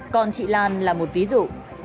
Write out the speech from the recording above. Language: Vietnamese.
còn chị lan là một ví dụ